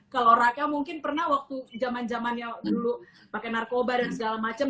kalau orangnya mungkin pernah waktu zaman zaman yang dulu pakai narkoba dan segala macam